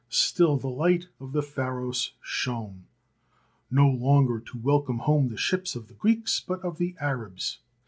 Still the light of the Pharos shone, no longer to welcome home the ships of the Greeks, but of the Arabs.